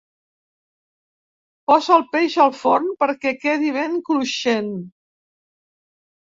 Posa el peix al forn perquè quedi ben cruixent.